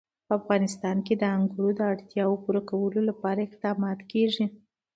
په افغانستان کې د انګور د اړتیاوو پوره کولو لپاره اقدامات کېږي.